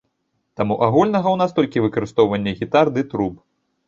Таму агульнага ў нас толькі выкарыстоўванне гітар ды труб.